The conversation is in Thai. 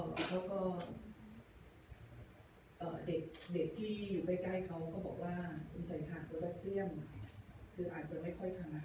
เขาก็เด็กที่อยู่ใกล้เขาก็บอกว่าชุมชัยหักแล้วก็เสี้ยงคืออาจจะไม่ค่อยทางหา